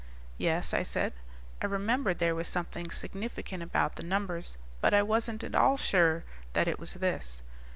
"Yes," I said. I remembered there was something significant about the numbers, but I wasn't at all sure that it was this.